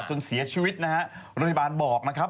จนเสียชีวิตนะฮะโรงพยาบาลบอกนะครับ